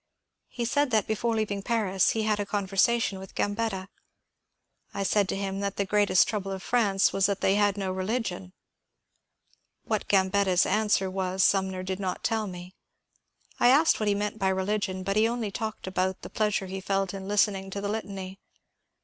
He said that be fore leaving Paris he had a conversation with Gambetta. ^^ I TALK WITH SUMNER IN LONDON 265 said to him that the great trouble of France was that they had no religion." What Gambetta's answer was Sumner did not tell me. I asked what he meant by religion, but he only talked about the pleasure he felt in listening to the Litany.